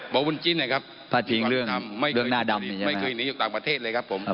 โบบุญจิ้นนะครับไม่เคยหนีออกต่างประเทศเลยครับผม